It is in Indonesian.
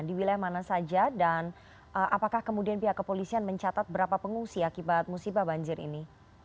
di wilayah mana saja dan apakah kemudian pihak kepolisian mencatat berapa pengungsi akibat musibah banjir ini